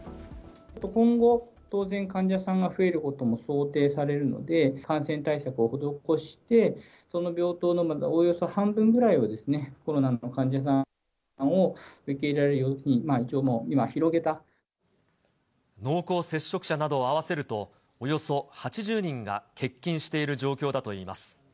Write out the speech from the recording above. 今後、当然、患者さんが増えることも想定されるので、感染対策を施して、その病棟のおおよそ半分ぐらいを、コロナの患者さんを受け入れられ濃厚接触者などを合わせると、およそ８０人が欠勤している状況だといいます。